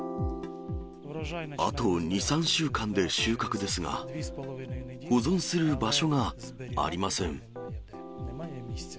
あと２、３週間で収穫ですが、保存する場所がありません。